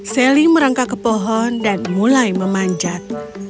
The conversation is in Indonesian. selly merangkak ke pohon dan mulai memanjat